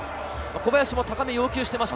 小林も高めを要求していました。